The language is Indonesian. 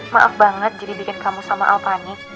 maaf banget jadi bikin kamu sama al panik